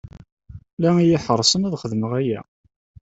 La iyi-ḥeṛṛsen ad xedmeɣ aya.